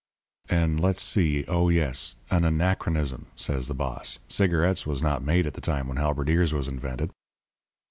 "'An' let's see oh, yes 'An anachronism,' says the boss. 'Cigarettes was not made at the time when halberdiers was invented.'